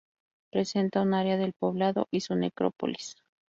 Presenta un área de poblado y su necrópolis.